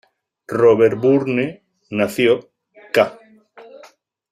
Robert Burne nació ca.